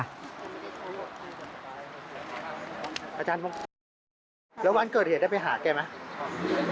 แล้ววันเกิดเห็นได้ไปหาแกไหม